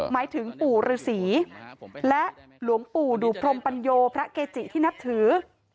หมายถึงปู่ฤษีและหลวงปู่ดุพรมปัญโยพระเกจิที่นับถือ